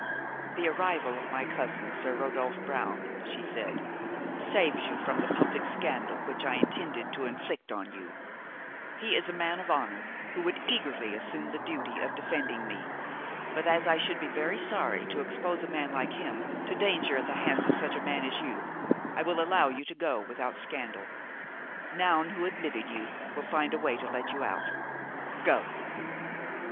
"The arrival of my cousin, Sir Rodolphe Brown," she said, "saves you from the public scandal which I intended to inflict on you; he is a man of honor, who would eagerly assume the duty of defending me; but as I should be very sorry to expose a man like him to danger at the hands of such a man as you, I will allow you to go without scandal. Noun, who admitted you, will find a way to let you out. Go!"